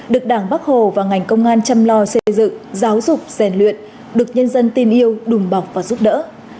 được đảng bắc hồ và ngành công an chăm lo xây dựng giáo dục rèn luyện được nhân dân tin yêu đùm bọc và giúp đỡ